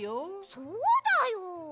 そうだよ！